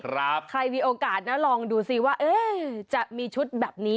ใครมีโอกาสนะลองดูสิว่าจะมีชุดแบบนี้